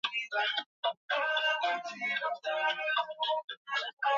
ambayo inaleta upepo mkali mara giza hata sisi hatujuwi